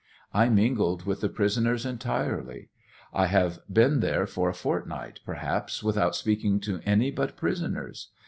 »*» j mingled with the prisoners entirely. I have been there for a fortnight perhaps without speaking to any but prisoners.